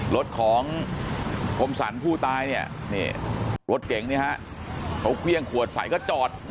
รถของคมสรรผู้ตายเนี่ยรถเก่งเขาเครื่องขวดใส่ก็จอด